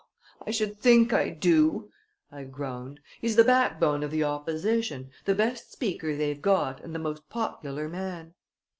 "I should think I do!" I groaned. "He's the backbone of the Opposition, the best speaker they've got and the most popular man."